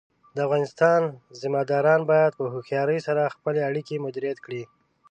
د افغانستان زمامداران باید په هوښیارۍ سره خپلې اړیکې مدیریت کړي.